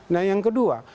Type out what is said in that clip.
nah yang kedua